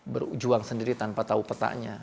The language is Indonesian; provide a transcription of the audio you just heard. berjuang sendiri tanpa tahu petanya